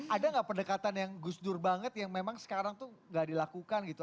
ada nggak pendekatan yang gus dur banget yang memang sekarang tuh gak dilakukan gitu